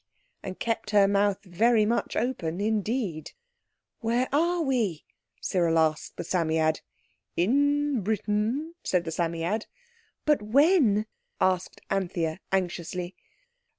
and kept her mouth very much open indeed. "Where are we?" Cyril asked the Psammead. "In Britain," said the Psammead. "But when?" asked Anthea anxiously.